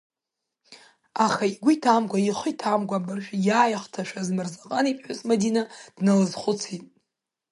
Аха игәы иҭамкәа, ихы иҭамкәа, абыржәы иааихҭашәаз Мырзаҟан иԥҳәыс Мадина дналызхәыцит.